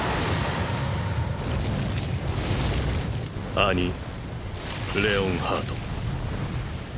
アニ・レオンハート。